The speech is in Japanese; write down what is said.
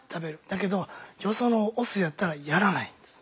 だけどよそのオスやったらやらないんです。